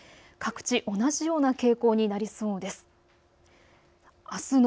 各地同じような傾向になりそうです。